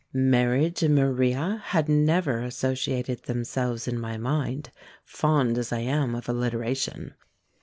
Marriage and Maria had never associated themselves in my mind, fond as I am of alliteration.